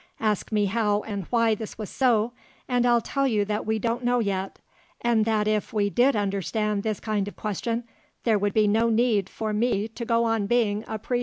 Ask me how and why this was so, and I'll tell you we don't know yet, and that if we did understand this kind of question, there would be no need for me to go on being a prehistorian!